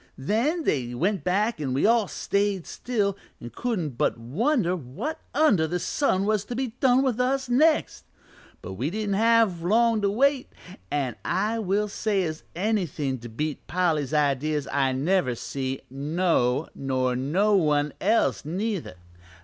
Then they went back an' we all stayed still an' couldn't but wonder what under the sun was to be done to us next. But we didn't have long to wait, an' I will say as anythin' to beat Polly's ideas I never see no nor no one else neither.